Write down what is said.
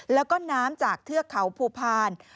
แล้วก็น้ำจากเทือกเขาภูพาล